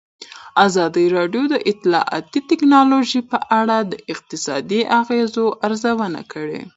ازادي راډیو د اطلاعاتی تکنالوژي په اړه د اقتصادي اغېزو ارزونه کړې.